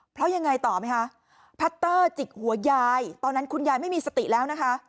เพราะยังไงต่อไหมคะพัตเตอร์จิกหัวยายตอนนั้นคุณยายไม่มีสติแล้วนะคะ